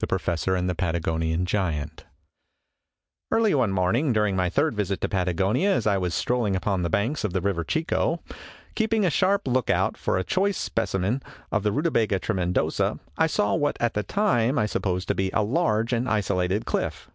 THE PROFESSOR AND THE PATAGONIAN GIANT EARLY one morning during my third visit to Patagonia, as I was strolling upon the banks of the River Chico, keeping a sharp lookout for a choice specimen of the Rutabaga Tremen dosa, I saw what, at the time, I supposed to be a large and isolated cliff.